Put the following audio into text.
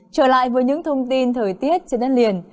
trở lại với những thông tin thời tiết trên đất liền